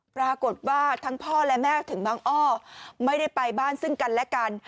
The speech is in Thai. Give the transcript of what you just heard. ปรากฏว่าทั้งพ่อและแม่ถึงบางอ้อไม่ได้ไปบ้านซึ่งกันและกัน